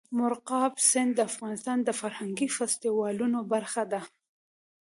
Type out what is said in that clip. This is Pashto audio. مورغاب سیند د افغانستان د فرهنګي فستیوالونو برخه ده.